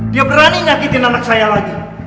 dia berani nyakitin anak saya lagi